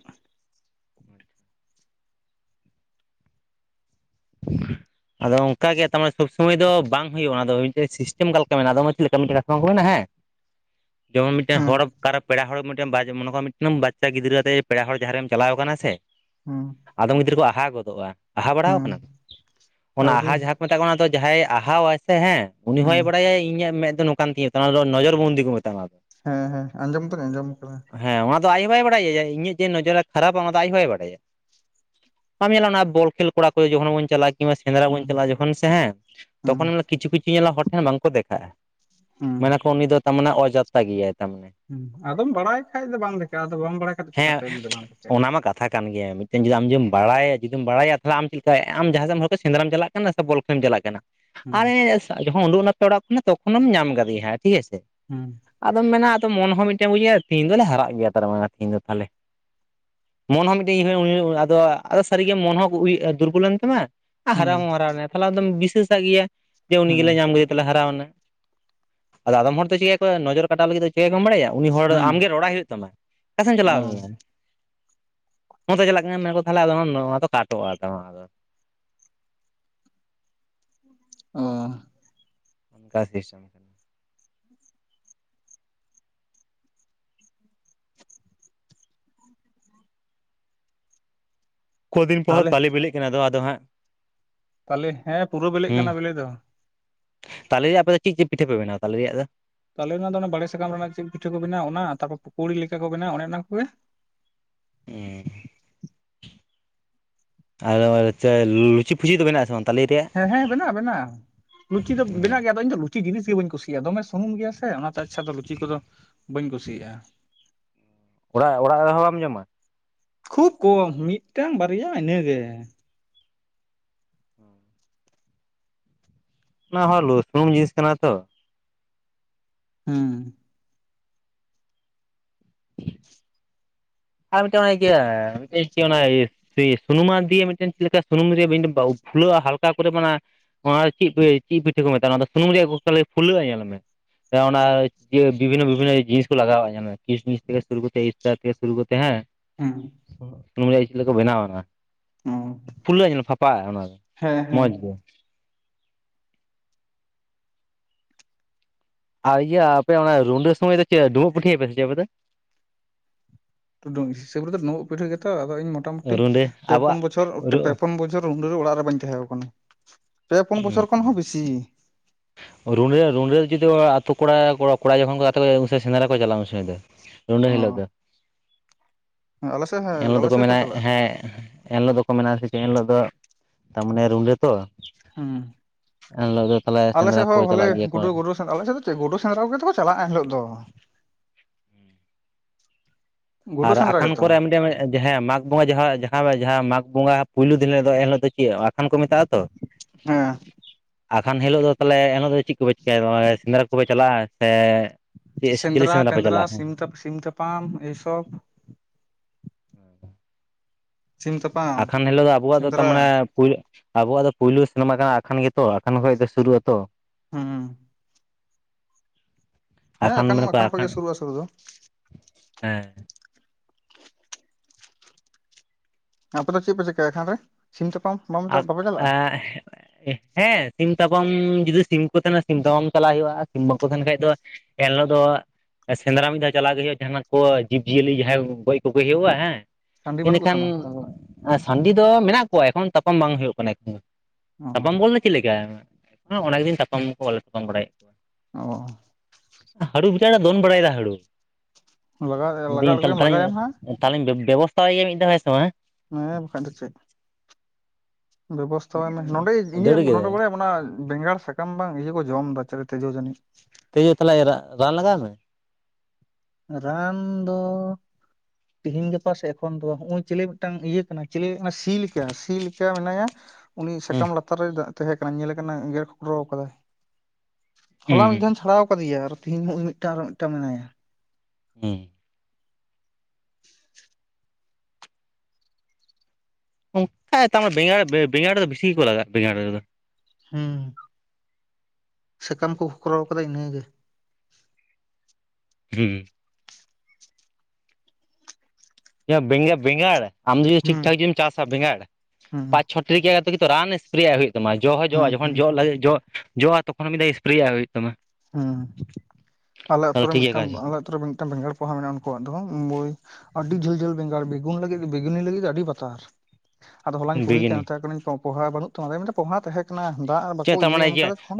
(inaudible) ᱟᱫᱚ ᱚᱝᱠᱟ ᱜᱮ ᱛᱟ ᱢᱟᱱᱮ ᱥᱚᱵ ᱥᱚᱢᱚᱭ ᱫᱚ ᱵᱟᱝ ᱦᱳᱭᱳᱜ-ᱟ ᱚᱱᱟᱫᱚ ᱢᱤᱫᱴᱮᱡ ᱥᱤᱥᱴᱮᱢ ᱚᱠᱟ ᱞᱮᱠᱟ ᱢᱮᱱᱟᱜ-ᱟ, ᱟᱫᱚ ᱪᱮᱫ ᱞᱮᱠᱟ ᱢᱤᱫᱴᱷᱮᱠᱟ (unintelligible) ᱦᱮᱸ ᱡᱮᱢᱚᱱ ᱢᱤᱫᱴᱮᱱ ᱦᱩᱸ ᱦᱚᱲ ᱚᱠᱟᱨᱮ ᱯᱮᱲᱟ ᱦᱚᱲ ᱢᱤᱫᱴᱮᱱ ᱵᱟᱡ ᱢᱚᱱᱮ ᱠᱟᱜ ᱢᱮ ᱢᱤᱫᱴᱟᱝ ᱵᱟᱪᱪᱟ ᱜᱤᱫᱽᱨᱟᱹ ᱟᱛᱮ ᱯᱮᱲᱟ ᱦᱚᱲ ᱡᱟᱸᱦᱟ ᱨᱮᱢ ᱪᱟᱞᱟᱣ ᱟᱠᱟᱱᱟ ᱥᱮ ᱦᱩᱸ, ᱟᱫᱚᱢ ᱜᱤᱫᱽᱨᱟᱹ ᱠᱚ ᱟᱦᱟ ᱜᱚᱫᱚᱜ-ᱟ, ᱟᱦᱟ ᱵᱟᱲᱟᱣ ᱦᱩᱸ ᱠᱟᱱᱟᱢ? ᱚᱱᱟ ᱟᱦᱟ ᱟᱹᱣᱨᱤ ᱡᱟᱸᱦᱟ ᱠᱚ ᱢᱮᱛᱟᱜ ᱠᱟᱱᱟ ᱚᱱᱟ ᱫᱚ ᱡᱟᱸᱦᱟᱭ ᱟᱦᱟᱣ ᱟᱭ ᱥᱮ ᱦᱮᱸ, ᱩᱱᱤ ᱦᱩᱸ ᱦᱚᱭ ᱵᱟᱲᱟᱭᱟ ᱤᱧᱟᱹᱜ ᱢᱮᱫ ᱫᱚ ᱱᱚᱝᱠᱟᱱ ᱛᱤᱧᱟᱹ ᱾ ᱱᱚᱣᱟ ᱫᱚ ᱱᱚᱡᱚᱨ ᱵᱚᱱᱫᱤ ᱠᱚ ᱢᱮᱛᱟᱜᱼᱟ ᱚᱱᱟ ᱫᱚ ᱦᱮᱸ ᱦᱮᱸ ᱟᱸᱡᱚᱢ ᱫᱚᱧ ᱟᱸᱡᱚᱢ ᱠᱟᱫᱟ ᱾ ᱦᱮᱸ ᱚᱱᱟ ᱫᱚ ᱟᱡ ᱦᱚᱸ ᱵᱟᱭ ᱵᱟᱲᱟᱭᱟ ᱤᱧᱟᱹᱜ ᱡᱮ ᱱᱚᱡᱚᱨᱟ ᱠᱷᱟᱨᱟᱯᱟ ᱚᱱᱟ ᱫᱚ ᱟᱡ ᱦᱚᱸ ᱵᱟᱭ ᱵᱟᱰᱟᱭᱟ ᱾ ᱵᱟᱢ ᱧᱮᱞᱟ ᱚᱱᱟ ᱵᱚᱞ ᱠᱷᱮᱹᱞ ᱠᱚᱲᱟ ᱠᱚ ᱡᱚᱠᱷᱚᱱ ᱵᱚᱱ ᱪᱟᱞᱟᱜ-ᱟ ᱠᱤᱝᱵᱟ ᱥᱮᱸᱫᱽᱨᱟ ᱦᱩᱸ ᱵᱚᱱ ᱪᱟᱞᱟᱜ-ᱟ ᱡᱚᱠᱷᱚᱱ ᱥᱮ ᱦᱮᱸ ᱦᱩᱸ ᱛᱚᱠᱷᱚᱱ ᱢᱟᱱᱮ ᱠᱤᱪᱷᱩ ᱠᱤᱪᱷᱩ ᱧᱮᱞᱟ ᱦᱚᱲ ᱴᱷᱮᱱ ᱵᱟᱝ ᱠᱚ ᱫᱮᱠᱷᱟᱜ-ᱟ ᱦᱩᱸ ᱾ ᱢᱟᱱᱮ ᱠᱚ ᱩᱱᱤ ᱫᱚ ᱛᱟᱨᱢᱟᱱᱮ ᱚᱡᱟᱛᱛᱟ ᱜᱮᱭᱟᱭ ᱛᱟᱨᱢᱟᱱᱮ ᱾ ᱦᱩᱸ ᱟᱫᱚᱢ ᱵᱟᱲᱟᱭ ᱠᱷᱟᱡ ᱫᱚ ᱵᱟᱝ ᱫᱮᱠᱟᱷᱜᱼᱟ ᱟᱫᱚ ᱵᱟᱢ ᱵᱟᱲᱟᱭ ᱠᱷᱟᱡ ᱫᱚ ᱦᱮᱸ ᱪᱮᱠᱟᱛᱮ ᱫᱚ ᱵᱟᱝ ᱪᱮ ᱚᱱᱟ ᱢᱟ ᱠᱟᱛᱷᱟ ᱠᱟᱱ ᱜᱮᱭᱟ ᱢᱤᱫᱴᱮᱱ ᱡᱩᱫᱤ ᱟᱢ ᱡᱩᱫᱤᱢ ᱵᱟᱲᱟᱭᱟ ᱡᱩᱫᱤᱢ ᱵᱟᱲᱟᱭᱟ ᱛᱟᱦᱮ ᱟᱢ ᱪᱮᱠᱟ ᱟᱢ ᱡᱟᱸᱦᱟ ᱥᱮᱢ ᱦᱚᱭᱛᱚ ᱥᱮᱸᱫᱽᱨᱟᱢ ᱪᱟᱞᱟᱜ ᱠᱟᱱᱟ ᱥᱮ ᱵᱚᱞ ᱠᱷᱮᱹᱞᱮᱢ ᱪᱟᱞᱟᱜ ᱠᱟᱱᱟ ᱦᱩᱸ ᱟᱨᱮ ᱡᱚᱠᱷᱚᱱᱮᱢ ᱳᱰᱳᱝ ᱱᱟ ᱚᱲᱟᱜ ᱠᱷᱚᱱᱟᱜ ᱛᱚᱠᱷᱚᱱᱮᱢ ᱧᱟᱢ ᱠᱟᱫᱮᱭᱟ ᱦᱟᱸᱜ ᱴᱷᱤᱠ ᱟᱪᱷᱮ ᱾ ᱦᱩᱸ ᱾ ᱟᱫᱚᱢ ᱢᱮᱱᱟ ᱟᱫᱚ ᱢᱚᱱ ᱦᱚᱸ ᱢᱤᱫᱴᱮᱱ ᱩᱭᱦᱟᱹᱨᱟ ᱛᱮᱦᱮᱧ ᱫᱚᱞᱮ ᱦᱟᱨᱟᱜ ᱜᱮᱭᱟ ᱛᱟᱨᱢᱟᱱᱮ ᱛᱮᱦᱮᱧ ᱫᱚ ᱛᱟᱦᱚᱞᱮ ᱾ ᱢᱚᱱ ᱦᱚᱸ ᱢᱤᱫᱴᱮᱱ (unintelligible) ᱟᱫᱚ, ᱟᱫᱚ ᱥᱟᱹᱨᱤᱜᱮ ᱢᱚᱱ ᱦᱚᱸ ᱩᱭᱦᱟᱹ ᱫᱩᱨᱵᱚᱞᱮᱢ (unintelligible) ᱟᱨ ᱦᱩᱸ ᱦᱟᱨᱟᱣ ᱦᱚᱸ ᱦᱟᱨᱟᱣ ᱱᱟ ᱛᱟᱦᱚᱞᱮ ᱟᱫᱚᱢ ᱵᱤᱥᱟᱹ ᱥᱟᱜ ᱜᱮᱭᱟ ᱩᱱᱤ ᱦᱩᱸ ᱜᱮᱞᱮ ᱧᱟᱢ ᱞᱮᱫᱮ ᱛᱮᱞᱮ ᱦᱟᱨᱟᱣ ᱱᱟ, ᱟᱫᱚ ᱟᱫᱚᱢ ᱦᱚᱲ ᱫᱚ ᱪᱤᱠᱟᱹᱭᱟ ᱠᱚ ᱠᱚᱣᱟ ᱱᱚᱡᱚᱨ ᱠᱟᱴᱟᱣ ᱞᱟᱹᱜᱤᱫ ᱫᱚ ᱪᱤᱠᱟᱹᱭᱟ ᱠᱚᱢ ᱵᱟᱲᱟᱭᱟ? ᱩᱱᱤ ᱦᱚᱲ ᱦᱩᱸ ᱟᱢ ᱜᱮ ᱨᱚᱲᱟᱭ ᱦᱳᱭᱳᱜ ᱛᱟᱢᱟ ᱚᱠᱟ ᱥᱮ ᱮᱢ ᱚ ᱪᱟᱞᱟᱣ ᱞᱮᱱᱟ? ᱚᱱᱛᱮ ᱪᱟᱞᱟᱜ ᱠᱟᱱᱟ ᱟᱫᱚ ᱛᱟᱦᱚᱞᱮ ᱟᱫᱚ ᱱᱚᱣᱟ ᱫᱚ ᱠᱟᱴᱚᱜ-ᱟ ᱛᱟ ᱚᱱᱟ ᱫᱚ᱾ ᱚᱸ ᱾ ᱚᱱᱠᱟ ᱥᱤᱥᱴᱮᱢ ᱠᱟᱱᱟ᱾ ᱠᱚ ᱫᱤᱱ ᱯᱚᱨ ᱛᱟᱦᱚᱞᱮ ᱛᱟᱞᱮᱹ ᱵᱮᱞᱮᱜ ᱠᱟᱱᱟ ᱟᱫᱚ ᱟᱫᱚ ᱟᱫᱚ ᱦᱟᱸᱜ ᱛᱟᱞᱮᱹ ᱦᱮᱸ ᱯᱩᱨᱟᱹ ᱵᱮᱞᱮᱜ ᱦᱩᱸ ᱠᱟᱱᱟ ᱵᱮᱞᱮ ᱫᱚ ᱾ ᱛᱟᱞᱮ ᱟᱯᱮ ᱫᱚ ᱪᱮᱫ ᱪᱮᱫ ᱯᱤᱴᱷᱟᱹ ᱯᱮ ᱵᱮᱱᱟᱣᱟ ᱛᱟᱞᱮ ᱨᱮᱭᱟᱜ ᱫᱚ? ᱛᱟᱞᱮ ᱨᱮᱱᱟᱜ ᱚᱱᱟ ᱫᱚ ᱵᱟᱲᱮ ᱥᱟᱠᱟᱢ ᱨᱮᱱᱟᱜ ᱪᱮᱫ ᱯᱤᱴᱷᱟᱹ ᱠᱚ ᱵᱮᱱᱟᱣ ᱚᱱᱟ, ᱛᱟᱨᱯᱚᱨ ᱯᱩᱠᱩᱲᱤ ᱞᱮᱠᱟ ᱠᱚ ᱵᱮᱱᱟᱣ ᱚᱱᱮ ᱚᱱᱟ ᱠᱚᱜᱮ ᱩᱸ᱾ ᱟᱫᱚ (unintelligible) ᱞᱩᱪᱤ-ᱯᱷᱩᱪᱤ ᱠᱚ ᱵᱮᱱᱟᱣ ᱟᱥᱮ ᱵᱟᱝ ᱛᱟᱞᱮ ᱨᱮᱭᱟᱜ? ᱮᱸ ᱦᱮᱸ ᱵᱮᱱᱟᱣ ᱵᱮᱱᱟᱣ᱾ ᱞᱩᱪᱤ ᱫᱚ ᱵᱮᱱᱟᱜ ᱜᱮᱭᱟ ᱟᱫᱚ ᱤᱧᱫᱚ ᱞᱩᱪᱤ ᱡᱤᱱᱤᱥ ᱜᱮ ᱵᱟᱹᱧ ᱠᱩᱥᱤᱭᱟᱜᱼᱟ ᱫᱚᱢᱮ ᱥᱩᱱᱩᱢ ᱜᱮᱭᱟ ᱥᱮ ᱚᱱᱟᱛᱮ ᱟᱪᱪᱷᱟ ᱫᱚ ᱞᱩᱪᱤ ᱠᱚᱫᱚ ᱵᱟᱹᱧ ᱠᱩᱥᱤᱭᱟᱜ-ᱟ᱾ ᱚᱲᱟᱜ ᱚᱲᱟᱜ ᱨᱮᱦᱚᱸ ᱵᱟᱢ ᱡᱚᱢᱟ? ᱠᱷᱩᱵ ᱠᱚᱢ ᱢᱤᱫᱴᱟᱝ ᱵᱟᱨᱭᱟ ᱤᱱᱟᱹᱜᱮ᱾ ᱚᱱᱟ ᱦᱚᱸ ᱞᱳ ᱥᱩᱱᱩᱢ ᱡᱤᱱᱤᱥ ᱠᱟᱱᱟ ᱛᱚ᱾ ᱦᱩᱸ᱾ ᱟᱨ ᱢᱤᱫ ᱴᱟᱝ ᱚᱱᱟ ᱤᱭᱟᱹ ᱥᱮ ᱥᱩᱱᱩᱢᱟ ᱫᱤᱭᱮ ᱢᱤᱫᱴᱮᱱ ᱪᱮᱫ ᱞᱮᱠᱟ ᱥᱩᱱᱩᱢᱤᱧ ᱫᱚ ᱨᱮ ᱵᱟ ᱯᱷᱩᱞᱟᱹᱜ-ᱟ ᱦᱟᱞᱠᱟ ᱠᱚᱨᱮ ᱢᱟᱱᱮ ᱚᱱᱟ ᱫᱚ ᱪᱤᱫ ᱠᱚ ᱪᱤᱫ ᱯᱤᱴᱷᱟᱹ ᱠᱚ ᱢᱮᱛᱟᱜᱼᱟ ᱚᱱᱟ ᱥᱩᱱᱩᱢ ᱨᱮᱭᱟᱜᱛᱟᱞᱮ ᱯᱷᱩᱞᱟᱹᱜ-ᱟ ᱧᱮᱞ ᱢᱮ᱾ ᱚᱱᱮ ᱚᱱᱟ ᱤᱩᱟᱹ ᱵᱤᱵᱷᱤᱱᱱᱚ ᱵᱤᱵᱷᱤᱱᱱᱚ ᱡᱤᱱᱤᱥ ᱠᱚ ᱞᱟᱜᱟᱣᱟᱜᱼᱟ ᱧᱮᱞ ᱢᱮ ᱠᱤᱥᱢᱤᱥ ᱛᱷᱮᱠᱮ ᱥᱩᱨᱩ ᱠᱚ ᱠᱟᱛᱮ ᱤᱥ ᱛᱟ ᱠᱮᱹᱥ ᱥᱩᱨᱩ ᱠᱟᱛᱮ ᱦᱟᱸ ᱦᱩᱸ᱾ (unintelligible) (unintelligible) ᱵᱱᱟᱣᱟ ᱚᱱᱟ᱾ ᱚ ᱯᱷᱩᱞᱟᱹᱜ-ᱟ ᱧᱮᱞ ᱢᱮ ᱯᱷᱟᱯᱟᱜ-ᱟ ᱚᱱᱟ ᱫᱚ ᱦᱮᱸ ᱦᱮᱸ ᱢᱚᱡᱽ ᱜᱮ᱾ ᱟᱨ ᱤᱭᱟᱹ ᱟᱯᱮ ᱚᱱᱟ ᱨᱩᱰᱟᱹ ᱥᱚᱢᱚᱭ ᱫᱚ ᱪᱮᱜ ᱰᱩᱸᱵᱩᱜ ᱯᱤᱴᱷᱟᱹᱭᱟᱯᱮ ᱥᱮ ᱪᱮᱫ ᱟᱯᱮ ᱫᱚ? ᱴᱩᱸᱰᱩᱸ ᱦᱤᱥᱟᱹᱵ ᱨᱮ ᱫᱚ ᱵᱩᱸᱵᱩᱜ ᱯᱤᱴᱷᱟᱹ ᱜᱮᱛᱚ ᱟᱫᱚ ᱤᱧ ᱢᱚᱴᱟᱢᱩᱴᱤ ᱨᱩᱰᱟᱹ ᱯᱮ ᱯᱚᱱ ᱟᱵᱚᱣᱟᱜ ᱵᱚᱪᱷᱚᱨ ᱨᱩ ᱯᱮ ᱯᱳᱱ ᱵᱚ ᱪᱷᱚᱨ ᱨᱩᱰᱟᱹ ᱨᱮ ᱚᱲᱟᱜ ᱨᱮ ᱵᱟᱹᱧ ᱛᱟᱦᱮᱸ ᱠᱟᱱᱟ, ᱯᱮ ᱯᱩᱱ ᱵᱚᱪᱷᱚᱨ ᱠᱷᱚᱱ ᱦᱚᱸ ᱵᱮᱥᱤ᱾ ᱨᱩᱸᱰᱟᱹ ᱨᱩᱸᱰᱟᱹ ᱡᱩᱫᱤ ᱟᱛᱳ ᱠᱚᱲᱟ ᱠᱚ ᱠᱚᱲᱟ ᱡᱚᱠᱷᱚᱱ ᱠᱚ ᱟᱛᱮ ᱠᱚᱭᱟ ᱩᱱᱥᱟᱹ ᱥᱮᱸᱨᱟ ᱠᱚ ᱪᱟᱟᱜᱼᱟ ᱩᱱ ᱥᱚᱢᱚᱭ ᱫᱚ᱾ ᱨᱩᱸᱰᱟᱹ ᱚ ᱦᱤᱞᱳᱜ ᱫᱚ᱾ ᱦᱮᱸ ᱟᱞᱮ ᱥᱮᱫ ᱦᱮᱸ ᱮᱱᱦᱤᱞᱳ ᱟᱞᱮ ᱫᱚᱠᱚ ᱥᱮᱫ ᱠᱚ ᱢᱮᱱᱟ ᱪᱟᱞᱟᱜᱼᱟ ᱦᱮᱸ ᱮᱱ ᱦᱤᱞᱳᱜ ᱫᱚᱠᱚ ᱢᱮᱱᱟᱜ ᱥᱮ ᱪᱮᱫ ᱮᱱ ᱦᱤᱞᱳᱜ ᱫᱚ ᱛᱟᱨᱢᱟᱱᱮ ᱨᱩᱰᱟᱹ ᱛᱚ, ᱮᱱᱦᱤᱞᱳᱜ ᱫᱚ ᱛᱟᱦᱚᱞᱮ ᱛᱮᱜ ᱥᱮᱸᱫᱽᱨᱟ ᱠᱚ ᱦᱚᱸ ᱵᱷᱟᱞᱮ ᱪᱟᱞᱟᱜ ᱜᱮᱭᱟ ᱠᱚ ᱜᱩᱰᱩ ᱜᱩᱰᱩ ᱥᱮ ᱟᱞᱮ ᱥᱮᱫ ᱫᱚ ᱪᱮᱜ ᱜᱩᱰᱩ ᱥᱮᱸᱫᱽᱨᱟ ᱠᱚᱜᱮ ᱛᱚᱠᱚ ᱪᱟᱞᱟᱜ-ᱟ ᱮᱱᱤᱞᱳᱜ ᱫᱚ᱾ ᱜᱩᱰᱩ ᱟᱨ ᱥᱮᱸᱫᱽᱨᱟ ᱟᱠᱷᱟᱱ ᱜᱮᱛᱚ ᱠᱚᱨᱮ ᱢᱤᱫᱴᱮᱱ ᱡᱟᱦᱮᱸ ᱢᱟᱜᱽ ᱵᱚᱸᱜᱟ ᱡᱟᱦᱟᱸ ᱡᱟᱦᱟᱸ ᱠᱟᱦᱟᱸ ᱢᱟᱜᱽ ᱵᱚᱸᱜᱟ ᱯᱳᱭᱞᱩ ᱫᱤᱱ ᱦᱤᱞᱳᱜ ᱫᱚ ᱮᱱᱦᱤᱞᱳᱜ ᱫᱚ ᱪᱮᱫ ᱟᱠᱷᱟᱱ ᱠᱚ ᱢᱮᱛᱟᱜ-ᱟ ᱛᱚ, ᱦᱮᱸ ᱟᱠᱷᱟᱱ ᱦᱤᱞᱳᱜ ᱫᱚ ᱛᱟᱦᱚᱞᱮ ᱮᱱᱦᱤᱞᱳᱜ ᱫᱚ ᱪᱤᱫ ᱠᱚᱯᱮ ᱪᱤᱠᱟᱹᱟ ᱭᱟ ᱥᱮᱸᱫᱽᱨᱟ ᱠᱚᱯᱮ ᱪᱟᱞᱟᱜ-ᱟ ᱥᱮᱼ ᱥᱮᱸᱫᱽᱨᱟ ᱴᱮᱸᱫᱽᱨᱟ ᱥᱤᱢ ᱛᱟᱯ ᱥᱤᱢ ᱛᱟᱯᱟᱢ ᱮ ᱥᱚᱵ᱾ ᱦᱮᱸ (unintelligible) ᱥᱤᱢ ᱛᱟ ᱟᱠᱷᱟᱱ ᱦᱤᱞᱚᱜ ᱫᱚ ᱟᱵᱚᱣᱟᱜ ᱫᱚ ᱛᱟᱨᱢᱟᱱᱮ ᱯᱩᱭᱞᱮᱜ ᱟᱵᱚᱣᱟᱜ ᱫᱚ ᱯᱩᱭᱞᱳ ᱥᱤᱱᱮᱢᱟ ᱠᱟᱱᱟ ᱟᱷᱟᱱ ᱜᱮᱛᱚ ᱟᱠᱷᱟᱱ ᱠᱷᱚᱡ ᱫᱚ ᱥᱩᱨᱩᱜ ᱟᱛᱚ᱾ ᱦᱩᱸ, ᱦᱮᱸ ᱟᱠᱷᱟᱱ ᱟᱠᱷᱟᱱ ᱠᱷᱚᱱ ᱜᱮ ᱥᱩᱨᱩᱜ-ᱟ ᱥᱩᱨᱩ ᱫᱚ᱾ ᱦᱮᱸ ᱾ ᱟᱯᱮ ᱫᱚ ᱪᱮᱫ ᱯᱮ ᱪᱮᱠᱟᱹᱭᱟ ᱟᱠᱷᱟᱱ ᱨᱮ? ᱥᱤᱢ ᱛᱟᱯᱟᱢ ᱵᱟᱢ ᱟᱠ ᱵᱟᱯᱮ ᱪᱟᱞᱟᱜᱼᱟ ᱮᱸᱜ ᱮᱜ ᱦᱮᱸ ᱥᱤᱢ ᱛᱟᱯᱟᱢ ᱡᱩᱫᱤ ᱥᱤᱢ ᱠᱚ ᱛᱟᱦᱮᱱᱟ ᱥᱤᱢ ᱛᱟᱯᱟᱢ ᱪᱟᱞᱟ ᱦᱩᱭᱩᱜ-ᱟ ᱥᱤᱢ ᱵᱟᱠᱠᱚ ᱛᱟᱦᱮᱱ ᱠᱷᱟᱡ ᱫᱚ, ᱮᱱᱦᱤᱞᱳᱜ ᱫᱚ ᱥᱮᱸᱫᱽᱨᱟ ᱢᱤᱫ ᱫᱷᱟᱣ ᱪᱟᱞᱞᱟᱣ ᱜᱮ ᱦᱩᱭᱩᱜ-ᱟ ᱡᱟᱦᱱᱟᱜ ᱠᱚ ᱡᱤᱵᱽ ᱡᱤᱭᱟᱹᱞᱤ ᱡᱟᱦᱟᱸᱭ ᱜᱚᱡ ᱠᱚᱜᱮ ᱦᱩᱭᱩᱜ- ᱟ ᱦᱮᱸ, ᱥᱟᱺᱰᱤ ᱵᱟᱹᱱᱩᱜ ᱮᱱᱮᱹᱠᱷᱟᱱ ᱠᱚᱛᱟᱢᱟ ᱥᱟᱺᱰᱤ ᱫᱚ ᱢᱮᱱᱟᱜ ᱠᱚᱣᱟ ᱮᱠᱷᱚᱱ ᱛᱟᱯᱟᱢ ᱵᱟᱝ ᱦᱩᱭᱩᱜ ᱠᱟᱱᱟ ᱮᱠᱷᱚᱱ ᱫᱚ᱾ ᱚ ᱛᱟᱯᱟᱢ ᱵᱚᱞ ᱫᱚ ᱪᱮᱫ ᱞᱮᱠᱟ ᱚᱱᱮᱜ ᱫᱤᱱ ᱛᱟᱯᱟᱢ ᱠᱚ ᱵᱟᱞᱮ ᱛᱟᱯᱟᱢ ᱵᱟᱲᱟᱭᱮᱫ ᱠᱚᱣᱟ᱾ ᱚᱻ ᱦᱟᱹᱲᱩ ᱵᱤᱪᱟᱨᱮ ᱫᱚᱱ ᱵᱟᱲᱟᱭᱫᱟ ᱦᱟᱹᱲᱩ, ᱞᱟᱜᱟᱜ ᱞᱟᱜᱟ ᱟᱹᱲᱜᱳᱭᱮᱢ ᱞᱟᱜᱟᱭᱮᱢ ᱦᱟᱸᱜ, ᱛᱟᱦᱚᱞᱮᱧ ᱵᱮ ᱵᱮᱵᱚᱥᱛᱟᱣᱟᱭᱜᱮ ᱢᱤᱫ ᱫᱷᱟᱣ ᱦᱮᱸᱥᱮ ᱵᱟᱝᱦᱮᱸ, ᱦᱮᱸ ᱵᱟᱠᱷᱟᱡ ᱫᱚ ᱪᱮᱫ? ᱵᱮᱵᱚᱥᱛᱷᱟ-ᱟᱭ ᱢᱮ ᱱᱚᱰᱮ ᱜᱮ ᱤᱭᱟᱹ ᱫᱟᱹᱲ ᱵᱚᱞᱮ ᱠᱮᱫᱟᱭ ᱵᱟᱲᱟᱭᱟᱢ ᱚᱱᱟ ᱵᱮᱸᱜᱟᱲ ᱥᱟᱠᱟᱢ ᱵᱟᱝ ᱤᱭᱟᱹ ᱠᱚ ᱡᱚᱢ ᱫᱟ ᱪᱮᱞᱮ ᱛᱮᱡᱩ ᱡᱟᱹᱱᱤᱡ ᱾ ᱛᱤᱡᱩ ᱛᱟᱦᱚᱞᱮ ᱨᱟ ᱨᱟᱱ ᱞᱟᱜᱟᱣ ᱢᱮ᱾ ᱨᱟᱱ ᱫᱚ ᱛᱤᱦᱤᱧ ᱜᱟᱯᱟ ᱥᱮ ᱮᱠᱷᱚᱱ ᱫᱚ ᱦᱚᱜᱼᱚᱭ ᱪᱤᱞᱮ ᱢᱤᱫᱴᱟᱝ ᱤᱭᱟᱹ ᱠᱟᱱᱟᱭ ᱪᱮᱞᱮ ᱚᱱᱟ ᱥᱤ ᱞᱮᱠᱟ ᱥᱤ ᱞᱮᱠᱟ ᱢᱮᱱᱟᱭᱟ ᱩᱱᱤ ᱦᱩᱸ ᱥᱟᱠᱟᱢ ᱞᱟᱛᱟᱨ ᱨᱮ ᱛᱟᱦᱮᱸ ᱠᱟᱱᱟ ᱧᱮᱞᱮ ᱟᱠᱟᱱᱟ ᱜᱮᱨ ᱠᱷᱚᱠᱨᱚ ᱟᱠᱟᱫᱟᱭ ᱦᱩᱸ ᱦᱚᱞᱟ ᱢᱤᱫ ᱫᱷᱟᱣᱤᱧ ᱪᱷᱟᱲᱟᱣ ᱟᱠᱟᱫᱮᱭᱟ ᱟᱨᱦᱚ ᱛᱤᱦᱤᱧ ᱦᱩᱸᱜ-ᱩᱭ ᱢᱤᱫᱴᱟᱝ ᱟᱨᱦᱚᱸ ᱢᱤᱫᱴᱟᱝ ᱢᱮᱱᱟᱭᱟ᱾ ᱦᱩᱸ᱾ (inaudible) ᱚᱝᱠᱟᱭ ᱛᱟᱢᱟ ᱵᱮᱸᱟᱲ ᱵᱮ ᱵᱮᱸᱜᱟᱲ ᱨᱮ ᱫᱚ ᱵᱮᱥᱤ ᱜᱮ ᱠᱚ ᱞᱟᱜᱟᱜ ᱵᱮᱸᱜᱟᱲ ᱨᱮᱫᱚ᱾ ᱦᱩᱸ᱾ ᱥᱟᱠᱟᱢ ᱠᱚ ᱠᱷᱚᱠᱨᱚ ᱠᱟᱫᱟ ᱤᱱᱟᱹᱜᱮ᱾ ᱦᱩᱸ᱾ ᱮᱭᱟ ᱵᱮᱸᱜᱟ ᱵᱮᱸᱜᱟᱲ ᱟᱢ ᱫᱚ ᱡᱩᱫᱤ ᱴᱷᱤᱠ ᱦᱩᱸ ᱴᱷᱟᱠ ᱡᱩᱫᱤᱢ ᱪᱟᱥᱟ ᱵᱮᱸᱜᱟᱲ ᱦᱩᱸ ᱯᱟᱸᱪ ᱪᱷᱚ ᱴᱷᱤᱠ ᱜᱮᱭᱟ ᱡᱷᱚᱛᱚ ᱜᱮᱛᱚ ᱨᱟᱱ ᱮᱥᱯᱨᱮᱭᱟᱜ ᱦᱩᱭᱩᱜ ᱛᱟᱢᱟ ᱡᱚ ᱦᱚᱸ ᱦᱩᱸ ᱡᱚᱜᱼᱟ ᱡᱚᱠᱷᱚᱱ ᱦᱩᱸ ᱡᱚᱜ ᱞᱟᱹᱜᱤᱫ ᱡᱚ ᱡᱚᱜ -ᱟ, ᱛᱚᱠᱷᱚᱱ ᱢᱤᱫ ᱫᱷᱟᱣ ᱮᱥᱯᱨᱮᱭᱟᱜ ᱦᱩᱭᱩᱜ ᱛᱟᱢᱟ᱾ ᱦᱩᱸ ᱟᱞᱮ ᱟᱛᱩ ᱛᱟᱦᱚᱞᱮ ᱨᱮ ᱴᱷᱤᱠ ᱜᱮᱭᱟ ᱢᱤᱫᱴᱟᱝ ᱠᱟᱡᱮ ᱟᱞᱮ ᱟᱛᱩ ᱨᱮ ᱢᱤᱫᱴᱟᱝ ᱵᱮᱸᱜᱟᱲ ᱯᱚᱦᱟ ᱢᱮᱱᱟᱜᱼᱟ ᱩᱱᱠᱩᱣᱟᱜ ᱫᱚ ᱢᱟᱹᱭ ᱟᱹᱰᱤ ᱡᱷᱟᱹᱞ ᱡᱷᱟᱹᱞ ᱵᱮᱸᱜᱟᱲ ᱵᱮᱜᱩᱱ ᱞᱟᱹᱜᱤᱫ ᱵᱮᱜᱩᱱᱤ ᱞᱟᱹᱜᱤᱫ ᱫᱚ ᱟᱹᱰᱤ ᱵᱟᱛᱟᱨ, ᱟᱫᱚ ᱦᱚᱞᱟᱧ ᱠᱩᱞᱤᱭᱮᱠᱟᱱ ᱵᱤᱜᱤᱱᱤ ᱢᱮᱛᱟᱭ ᱠᱟᱱᱟᱹᱧ ᱠᱚᱢ ᱯᱚᱦᱟ ᱵᱟᱹᱱᱩᱜ ᱛᱟᱢᱟ ᱟᱫᱚᱭ ᱢᱮᱱᱫᱟ ᱯᱚᱦᱟ ᱛᱟᱦᱮᱸ ᱠᱟᱱᱟ, ᱫᱟᱜ ᱵᱟᱠᱚ ᱪᱮᱫ ᱛᱟᱨ ᱤᱭᱟᱹ ᱢᱟᱱᱮ ᱮᱢᱠᱟᱫᱟ ᱛᱚᱠᱷᱚᱱ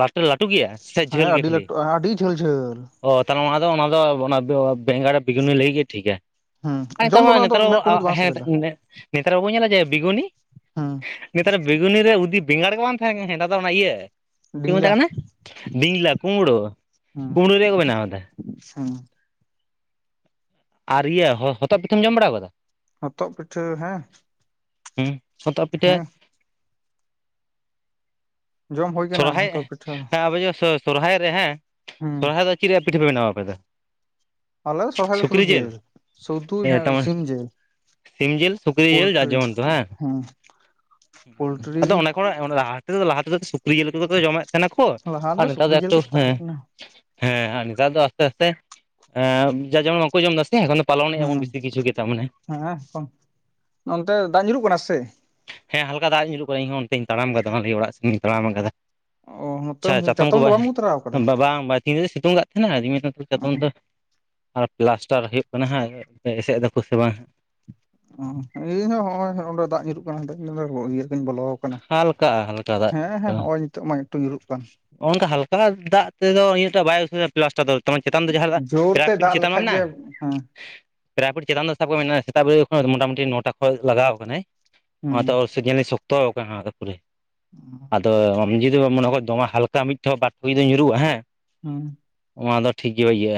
ᱞᱟᱹᱴᱩ ᱞᱟᱹᱴᱩ ᱜᱮᱭᱟ? ᱥᱮ ᱦᱮᱸ ᱡᱷᱟᱹᱞ ᱜᱮ ᱟᱹᱰᱤ ᱠᱷᱟᱹᱞᱤ ᱞᱟᱹᱴᱩ ᱟᱹᱰᱤ ᱡᱷᱟᱹᱞ ᱡᱷᱟᱹᱞ ᱚ ᱛᱟᱦᱚᱞᱮ ᱚᱱᱟ ᱫᱚ ᱚᱱᱟ ᱫᱚ ᱚᱱᱟ ᱫᱚ ᱵᱮᱸᱜᱟᱲ ᱵᱮᱜᱩᱱᱤ ᱞᱟᱹᱜᱤᱫ ᱜᱮ ᱴᱷᱤᱠᱟ। ᱦᱩᱸ ᱟᱨ ᱱᱮᱛᱟᱨ ᱡᱚᱢ ᱫᱚ ᱢᱟ ᱩᱱᱟᱹᱜ ᱫᱚ ᱱᱮᱛᱟᱨ ᱢᱮᱱ ᱩᱱᱟᱹᱜ ᱫᱚ ᱵᱟᱝ (unintelligible) ᱥᱤᱵᱤᱞᱟ ᱱᱮᱛᱟᱨ ᱵᱟᱵᱚᱱ ᱧᱮᱞᱟ ᱡᱮ ᱵᱤᱜᱩᱱᱤ ᱦᱩᱸ ᱱᱮᱛᱟᱨ ᱵᱮᱜᱩᱱᱤ ᱨᱮ ᱩᱫᱤ ᱵᱮᱸᱜᱟᱲ ᱜᱮ ᱵᱟᱝ ᱛᱟᱦᱮᱸᱱ ᱠᱟᱱᱟ ᱦᱮᱸ ᱱᱮᱛᱟᱨ ᱫᱚ ᱚᱱᱟ ᱤᱭᱟᱹ ᱪᱮᱫ ᱠᱚ ᱢᱮᱛᱟᱜ ᱰᱤᱝᱞᱟ ᱠᱟᱱᱟ ᱵᱤᱝᱞᱟ ᱠᱩᱢᱵᱽᱲᱳ ᱠᱩᱢᱵᱽᱲᱳ ᱨᱮᱭᱟᱜ ᱠᱚ ᱵᱮᱱᱟᱣᱫᱟ। ᱟᱪᱪᱷᱟ ᱟᱨ ᱤᱭᱟᱹ ᱦᱚ ᱦᱚᱛᱚᱫ ᱯᱤᱴᱷᱟᱹᱢ ᱡᱚᱢ ᱵᱟᱲᱟᱣ ᱠᱟᱫᱟ ᱦᱚᱛᱚᱫ ᱯᱤᱴᱷᱟᱹ ᱦᱮᱸ ᱦᱩᱸ ᱦᱟᱛᱚᱫ ᱯᱤᱴᱷᱟᱹ ᱦᱮᱸ ᱡᱚᱢ ᱦᱩᱭ ᱠᱟᱱᱟ ᱥᱚᱨᱦᱟᱭ ᱦᱚᱛᱚᱫ ᱯᱤᱴᱷᱟᱹ ᱦᱮᱸ ᱟᱵᱚ ᱡᱚᱜ ᱥᱚ ᱥᱚᱨᱦᱟᱭ ᱨᱮ ᱦᱮᱸ ᱦᱩᱸ ᱥᱚᱨᱦᱟᱭ ᱫᱚ ᱪᱤᱫ ᱨᱮᱭᱟᱜ ᱯᱤᱴᱷᱟᱹ ᱯᱮ ᱵᱮᱱᱟᱣᱟ ᱟᱯᱮ ᱫᱚ? ᱟᱞᱮ ᱫᱚ ᱥᱚᱨᱦᱟᱭ ᱥᱩᱫᱩ ᱥᱩᱠᱨᱤ ᱡᱤᱞ ᱡᱮᱞ ᱥᱩᱫᱩ ᱦᱮᱸ ᱛᱟᱨᱢᱟᱱᱮ ᱥᱤᱢ ᱡᱮᱞ। ᱥᱤᱢ ᱡᱤᱞ ᱥᱩᱠᱨᱤ ᱡᱤᱞ ᱡᱟᱨ ᱡᱮᱢᱚᱱ ᱛᱚ ᱵᱟᱝ ᱦᱮᱸ ᱯᱳᱞᱴᱨᱤ ᱟᱫᱚ ᱚᱱᱟ ᱠᱷᱚᱱᱟᱜ ᱦᱮᱸᱚᱱᱟ ᱞᱟᱦᱟ ᱛᱮᱫᱚ ᱞᱟᱦᱟ ᱛᱮᱫᱚ ᱥᱩᱠᱨᱤ ᱡᱤᱞ ᱜᱮᱛᱚ ᱠᱚᱫᱚ ᱠᱚ ᱡᱚᱢᱮᱫ ᱛᱟᱦᱮᱱᱟ ᱠᱚ ᱞᱟᱦᱟ ᱟᱨ ᱱᱮᱛᱟᱨ ᱫᱚ ᱥᱩᱠᱨᱤ ᱡᱤᱞ ᱮᱠᱛᱚ ᱜᱮ ᱛᱟᱦᱮᱸ ᱦᱮᱸ ᱠᱟᱱᱟ ᱦᱮᱸ ᱟᱨ ᱱᱮᱛᱟᱨ ᱫᱚ ᱟᱥᱛᱮ ᱟᱥᱛᱮ ᱮᱸᱜ ᱡᱟᱨ ᱡᱮᱢᱚᱱ ᱵᱟᱝᱠᱚ ᱡᱚᱢ ᱫᱟᱥᱮ ᱮᱠᱷᱚᱱ ᱫᱚ ᱯᱟᱞᱚᱱᱮᱜᱼᱟᱵᱚᱱ ᱦᱮᱸ ᱵᱮᱥᱤ ᱠᱤᱪᱷᱩ ᱜᱮ ᱛᱟᱨ ᱢᱟᱱᱮ ᱦᱮᱸ ᱛᱚ ᱱᱚᱱᱛᱮ ᱫᱟᱜ ᱧᱩᱨᱩᱜ ᱠᱟᱱᱟ ᱥᱮ? ᱦᱮᱸ ᱦᱟᱞᱠᱟ ᱫᱟᱜ ᱧᱩᱨᱩᱜ ᱠᱟᱱᱟ ᱤᱧᱦᱚᱸ ᱚᱱᱛᱮᱧ ᱛᱟᱲᱟᱢ ᱠᱟᱫᱟ ᱚᱱᱟᱞᱤᱭᱟᱹ ᱚᱲᱟᱜ ᱥᱮᱜᱮᱧ ᱛᱟᱢ ᱟᱠᱟᱫᱟ। ᱳ ᱟᱪᱪᱷᱟ ᱪᱟᱛᱚᱢ ᱠᱚ ᱵᱟ ᱵᱟᱵᱟᱝ ᱵᱟᱭ ᱛᱤᱱᱟᱹᱜ ᱮ ᱥᱤᱛᱩᱝ ᱠᱟᱜ ᱛᱟᱦᱮᱱᱟ (unintelligible) ᱪᱟᱛᱚᱢ ᱫᱚ ᱟᱨ ᱯᱞᱟᱥᱴᱟᱨ ᱦᱩᱭᱩᱜ ᱠᱟᱱᱟ ᱦᱟᱸᱜ ᱮᱥᱮᱫ ᱫᱟᱠᱚ ᱥᱮ ᱵᱟᱝ? ᱚᱸ ᱤᱧ ᱦᱚᱸ ᱦᱚᱜᱼᱚᱭ ᱦᱚᱸᱜ-ᱚᱸᱱᱰᱮ ᱫᱟᱜ ᱧᱩᱨᱩᱜ ᱠᱟᱱᱟ ᱫᱟᱜ (unintelligible) ᱤᱭᱟᱹ ᱠᱟᱹᱧ ᱵᱚᱞᱚ ᱠᱟᱱᱟ ᱦᱟᱞᱠᱟᱜᱼᱟ ᱦᱟᱞᱠᱟ ᱫᱟᱜ ᱦᱮᱸ ᱦᱮᱸ ᱦᱚᱜᱼᱚᱭ ᱱᱤᱛᱚᱜ ᱢᱟ ᱮᱠᱴᱩ ᱧᱩᱨᱩᱜ ᱠᱟᱱ ᱱᱚᱠᱟ ᱦᱟᱞᱠᱟ ᱫᱟᱜ ᱛᱮᱫᱚ ᱤᱧᱟᱹᱴᱟᱜ ᱵᱟᱭ ᱩᱥᱟᱹᱨᱟ ᱯᱞᱟᱥᱴᱟᱨ ᱫᱚ ᱪᱮᱛᱟᱱ ᱫᱚ ᱡᱟᱦᱟᱸ ᱫᱟᱜ (inaudible) ᱡᱳᱨ ᱛᱮ ᱯᱮᱲᱟᱯᱤᱴ ᱫᱟᱜ ᱪᱮᱛᱟᱱ ᱵᱟᱝ ᱞᱮᱠᱷᱟᱡ ᱜᱮ ᱢᱮᱱᱟᱜᱼᱟ ᱦᱮᱸ ᱯᱮᱲᱟᱯᱤᱴ ᱪᱮᱛᱟᱱ ᱫᱚ ᱥᱟᱵ ᱠᱚ ᱢᱮ ᱥᱮᱛᱟᱜ ᱵᱮᱨ ᱠᱷᱚᱱ ᱢᱚᱴᱟᱢᱩᱴᱤ ᱱᱚᱴᱟ ᱠᱷᱚᱡ ᱞᱟᱜᱟᱣ ᱟᱠᱟᱱᱟᱭ ᱦᱩᱸ ᱚᱱᱟ ᱥᱮ ᱧᱮᱞᱤᱧ ᱥᱚᱠᱛᱚ ᱟᱠᱟᱱᱟ ᱯᱩᱨᱟᱹ ᱟᱫᱚ ᱟᱢ ᱡᱩᱫᱤ ᱵᱟᱢ ᱢᱚᱱᱮ ᱫᱚᱢᱮ ᱦᱟᱞᱠᱟ ᱢᱤᱫ ᱴᱷᱚᱯ ᱵᱟᱨ ᱡᱩᱫᱤ ᱧᱩᱨᱩᱜᱼᱟ ᱦᱮᱸ ᱦᱩᱸ ᱚᱱᱟ ᱫᱚ ᱴᱷᱤᱠ ᱜᱮ ᱤᱭᱟᱹᱜ-ᱟ।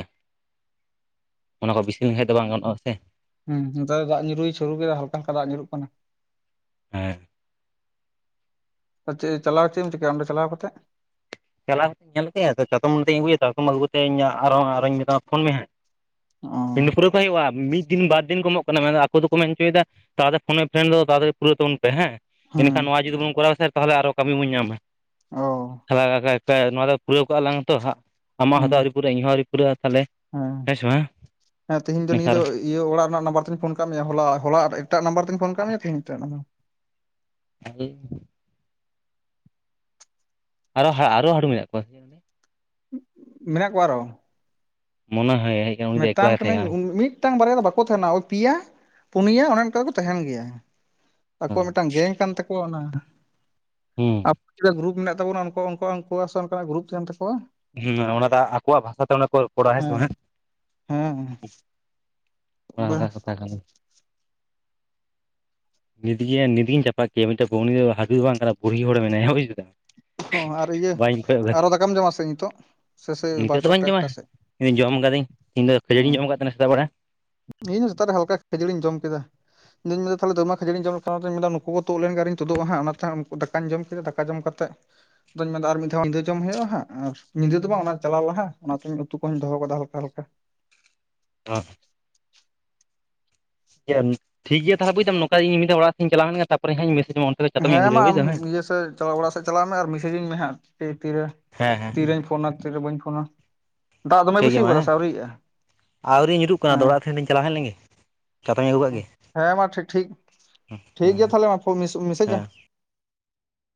ᱚᱱᱟ ᱠᱚ ᱵᱤᱥᱤ ᱞᱮᱠᱷᱟᱡ ᱫᱚ ᱵᱟᱝ ᱜᱟᱱᱚᱜᱼᱟ ᱥᱮ। ᱦᱩᱸ ᱱᱮᱛᱟᱨ ᱫᱟᱜ ᱧᱩᱨᱩᱭ ᱥᱩᱨᱩ ᱠᱮᱫᱟ ᱦᱟᱞᱠᱟ ᱦᱟᱞᱠᱟ ᱫᱟᱜ ᱧᱩᱨᱩᱜ ᱠᱟᱱᱟ। ᱦᱮᱸ ᱪᱮᱜ ᱪᱟᱞᱟᱣ ᱪᱮᱫ ᱮᱢ ᱪᱤᱠᱟᱹᱭᱟ ᱚᱸᱰᱮ ᱪᱟᱞᱟᱣ ᱠᱟᱛᱮᱫ? ᱪᱟᱞᱟᱣ ᱠᱟᱛᱮᱧ ᱧᱮᱞ ᱠᱮᱫᱟ ᱛᱚ ᱪᱟᱛᱚᱢ ᱠᱟᱛᱮᱧ ᱟᱹᱜᱩᱭᱟ ᱪᱟᱛᱚᱢ ᱟᱹᱜᱩ ᱠᱟᱛᱮᱧ ᱟᱨᱚ ᱟᱨᱚᱧ ᱢᱮᱛᱟᱢᱟ ᱯᱷᱳᱱ ᱢᱮ ᱦᱟᱸᱜ ᱚ ᱛᱤᱧ ᱫᱚ ᱯᱩᱨᱟᱹᱣ ᱠᱟᱜ ᱦᱩᱭᱩᱜᱼᱟ ᱢᱤᱫ ᱫᱤᱱ ᱵᱟᱨ ᱫᱤᱱ ᱠᱚ ᱮᱢᱚᱜ ᱠᱟᱱᱟ ᱢᱮᱱᱫᱚ ᱟᱠᱚ ᱫᱚᱠᱚ ᱢᱮᱱ ᱦᱚᱪᱚᱭᱮᱫᱟ ᱛᱟᱦᱚᱞᱮ ᱯᱷᱳᱱ ᱮᱯᱷᱮᱢ ᱫᱚ ᱛᱟᱲᱟᱛᱟᱲᱤ ᱯᱩᱨᱟᱹ ᱛᱟᱵᱚᱱ ᱦᱮᱸ ᱦᱩᱸ ᱮᱱᱠᱷᱟᱱ ᱱᱚᱣᱟ ᱡᱩᱫᱤ ᱵᱚᱱ ᱠᱚᱨᱟᱣ ᱠᱷᱟᱱ ᱛᱟᱦᱚᱞᱮ ᱟᱨᱚ ᱠᱟᱹᱢᱤ ᱵᱚᱱ ᱧᱟᱢᱟ ᱚ (unintelligible) ᱱᱚᱣᱟ ᱫᱚ ᱯᱩᱨᱟᱹᱣ ᱠᱟᱜᱼᱟ ᱞᱟᱝ ᱛᱚ ᱦᱟᱸᱜ। ᱟᱢᱟᱜ ᱦᱩᱸ ᱦᱚᱛᱚ ᱟᱹᱣᱨᱤ ᱯᱩᱨᱟᱹᱜᱼᱟ ᱤᱧᱦᱚᱸ ᱟᱹᱣᱨᱤ ᱯᱩᱨᱟᱹᱜᱼᱟ ᱛᱟᱦᱚᱞᱮ ᱦᱮᱸ (unintelligible) ᱦᱮᱸ ᱦᱮᱸ ᱛᱮᱦᱤᱧ ᱫᱚ ᱱᱤᱭᱟᱹ ᱱᱮᱛᱟᱨ ᱫᱚ ᱤᱭᱟᱹ ᱚᱲᱟᱜ ᱨᱮᱱᱟᱜ ᱱᱟᱢᱵᱟᱨ ᱛᱤᱧ ᱯᱷᱳᱱ ᱟᱠᱟᱫ ᱢᱮᱭᱟ ᱦᱚᱞᱟ, ᱦᱚᱞᱟ ᱮᱴᱟᱜ ᱱᱟᱢᱵᱟᱨ ᱛᱤᱧ ᱯᱷᱳᱱ ᱠᱟᱫ ᱢᱮᱭᱟ ᱛᱤᱦᱤᱧ ᱮᱴᱟᱜ ᱱᱟᱢᱟᱨ (unintelligible) ᱟᱨᱚ ᱟᱨᱚ ᱦᱟᱹᱬᱩ ᱢᱮᱱᱟᱜ ᱠᱚᱣᱟ। ᱢᱮᱱᱟᱜ ᱠᱚᱣᱟ ᱟᱨᱦᱚ᱾ ᱢᱚᱱᱟ ᱦᱟᱭ-ᱦᱟᱭ᱾ ᱢᱮᱛᱟᱢ ᱠᱟᱹᱱᱟᱹᱧ ᱢᱤᱫᱴᱟᱝ ᱵᱟᱨᱭᱟ ᱫᱚ ᱵᱟᱠᱚ ᱛᱟᱦᱮᱱᱟ ᱚᱭ ᱯᱮᱭᱟ ᱯᱩᱱᱭᱟᱹ ᱚᱱᱮ ᱚᱱᱠᱟ ᱠᱚ ᱛᱟᱦᱮᱱ ᱜᱮᱭᱟ᱾ ᱟᱠᱚᱣᱟᱜ ᱢᱤᱫᱴᱟᱱ ᱜᱮᱝ ᱠᱟᱱ ᱛᱟᱠᱚᱣᱟ ᱚᱱᱟ᱾ ᱦᱮᱸ᱾ ᱪᱮᱠᱟ ᱜᱩᱨᱩᱯ ᱢᱮᱱᱟᱜ ᱛᱟᱵᱚᱱᱟ ᱚᱱᱠᱟ- ᱚᱱᱠᱟ-ᱚᱱᱠᱟ ᱥᱮ ᱚᱱᱠᱟᱱᱟᱜ ᱜᱩᱨᱩᱯ ᱛᱟᱦᱮᱱ ᱛᱟᱠᱚᱣᱟ᱾ ᱦᱮᱸ ᱚᱱᱟ ᱫᱚ ᱟᱠᱚᱣᱟᱜ ᱵᱷᱟᱥᱟᱛᱮ ᱚᱱᱟ ᱠᱚ ᱨᱚᱯᱚᱲᱟ ᱦᱮᱸ ᱥᱮ ᱵᱟᱝ ᱦᱮᱸ᱾ ᱦᱮᱸ-ᱦᱮᱸ᱾ ᱚᱱᱮ ᱚᱱᱠᱟ ᱠᱟᱛᱦᱟ ᱠᱟᱱ ᱜᱮᱭᱟ᱾ (unintelligible) ᱱᱤᱛᱜᱮ ᱱᱤᱛᱜᱤᱧ ᱪᱟᱯᱟᱫ ᱠᱮᱭᱟ ᱢᱤᱫᱴᱮᱱ ᱩᱱᱤ ᱫᱚ ᱦᱟᱹᱲᱩ ᱫᱚ ᱵᱟᱝ ᱠᱟᱱᱟ ᱵᱩᱲᱦᱤ ᱦᱚᱲ ᱢᱮᱱᱟᱭᱟ ᱵᱩᱡ ᱠᱮᱫᱟᱢ᱾ ᱚᱸ ᱟᱨ ᱤᱭᱟᱹ ᱵᱟᱹᱧ ᱠᱚᱭᱚᱜ ᱟᱨᱦᱚ ᱠᱟᱫᱮᱭᱟ ᱫᱟᱠᱟᱢ ᱡᱚᱢᱟ ᱥᱮ ᱱᱤᱛᱚᱜ᱾ ᱥᱮ ᱥᱮ ᱱᱤᱛᱚᱜ ᱫᱚ ᱵᱟᱹᱧ ᱵᱟᱨᱚᱴᱟ ᱡᱚᱢᱟ ᱮᱠᱴᱟ ᱥᱮᱫ ᱤᱧ ᱫᱚ ᱡᱚᱢ ᱟᱠᱟᱫᱟᱹᱧ ᱤᱧᱫᱚ ᱠᱷᱟᱹᱡᱟᱹᱲᱤᱧ ᱡᱚᱢ ᱟᱠᱟᱫ ᱛᱟᱦᱮᱱᱟ ᱥᱮᱛᱟᱜ ᱵᱮᱲᱟ᱾ ᱤᱧᱦᱚᱸ ᱥᱮᱛᱟᱜ ᱨᱮ ᱦᱟᱞᱠᱟ ᱠᱷᱟᱹᱡᱟᱹᱲᱤᱧ ᱡᱚᱢ ᱠᱮᱫᱟ᱾ ᱤᱫᱩᱧ ᱢᱮᱱᱫᱟ ᱛᱟᱦᱚᱞᱮ ᱫᱚᱢᱮ ᱠᱷᱟᱹᱡᱟᱹᱲᱤᱧ ᱡᱚᱢ ᱞᱮᱠᱷᱟᱱ ᱚᱱᱟᱛᱮᱧ ᱢᱮᱱᱫᱟ ᱱᱩᱠᱩ ᱠᱚ ᱛᱩᱜ ᱞᱮᱱ ᱜᱮ ᱟᱨ ᱤᱧ ᱛᱩᱫᱩᱜᱼᱟ ᱦᱟᱸᱜ ᱚᱱᱟᱛᱮ ᱩᱱᱠᱩ ᱡᱚᱢ ᱫᱟᱠᱟᱧ ᱡᱚᱢ ᱠᱮᱫᱟ ᱫᱟᱠᱟ ᱡᱚᱢ ᱠᱟᱛᱮᱜ᱾ ᱟᱫᱚᱧ ᱢᱮᱱᱮᱫᱟ ᱟᱨ ᱢᱤᱫ ᱫᱷᱟᱣ ᱧᱤᱫᱟᱹ ᱡᱚᱢ ᱦᱩᱭᱩᱜᱼᱟ ᱦᱟᱸᱜ ᱟᱨ ᱧᱤᱫᱟᱹ ᱫᱚ ᱵᱟᱝ ᱚᱱᱟ ᱪᱟᱞᱟᱣ ᱞᱟᱦᱟ ᱚᱱᱟᱛᱮ ᱩᱛᱩ ᱠᱚᱦᱚᱧ ᱫᱚᱦᱚ ᱟᱠᱟᱫᱟ ᱦᱟᱞᱠᱟᱼᱦᱟᱞᱠᱟ᱾ ᱟᱨ ᱤᱭᱟᱹ ᱴᱷᱤᱠ ᱜᱮᱭᱟ ᱛᱟᱦᱚᱞᱮ‌ ᱵᱩᱡᱫᱟᱢ ᱱᱚᱠᱟ ᱤᱧ ᱢᱤᱫ ᱫᱷᱟᱣ ᱚᱲᱟᱜ ᱥᱮᱫ ᱤᱧ ᱪᱟᱞᱟᱣ ᱞᱮᱱ ᱜᱮ ᱛᱟᱯᱚᱨᱮ ᱦᱟᱸᱜ ᱤᱧ ᱢᱮᱥᱮᱡ ᱟᱢᱟ᱾ ᱠᱷᱚᱡ ᱪᱟᱛᱚᱢᱤᱧ ᱦᱮᱸ ᱟᱹᱜᱩ ᱢᱟ ᱞᱮᱜᱟ ᱵᱩᱡ ᱟᱢ ᱫᱟᱢ ᱦᱮᱸ ᱤᱭᱟᱹ ᱥᱮᱫ ᱪᱟᱞᱟᱣ, ᱚᱲᱟᱜ ᱥᱮᱫ ᱪᱟᱞᱟᱜ ᱢᱮ ᱟᱨ ᱢᱮᱥᱮᱡ ᱟᱹᱧ ᱢᱮ ᱦᱟᱸᱜ ᱛᱤ ᱛᱤᱨᱮ᱾ ᱦᱮᱸ ᱦᱮᱸ ᱛᱤᱨᱮᱧ ᱯᱷᱳᱱᱟ ᱛᱤᱨᱮ ᱵᱟᱹᱧ ᱯᱷᱳᱱᱟ᱾ ᱫᱟᱜ ᱫᱚᱢᱮ ᱴᱷᱤᱠ ᱵᱤᱥᱤ ᱜᱮᱭᱟ ᱢᱟ ᱟᱠᱟᱣᱫᱟ ᱦᱮᱸ ᱥᱮ ᱟᱹᱣᱨᱤᱭᱟᱜᱼᱟ, ᱦᱮᱸ᱾ ᱱᱟᱹᱭ ᱴᱦᱮᱱᱤᱧ ᱪᱟᱞᱟᱣ ᱦᱮᱡᱽ ᱞᱮᱱᱜᱮ᱾ ᱪᱟᱛᱚᱢᱤᱧ ᱟᱹᱜᱩ ᱠᱟᱜ ᱜᱮ ᱦᱮᱸ ᱢᱟ ᱴᱤ ᱴᱷᱤᱠ, ᱴᱷᱤᱠ ᱦᱮᱸ ᱜᱮᱭᱟ ᱛᱟᱦᱚᱞᱮ ᱢᱟ ᱯᱦᱚ ᱢᱮᱥ, ᱢᱮᱥᱮᱡᱟᱭ ᱦᱮᱸ᱾ ᱢᱮ᱾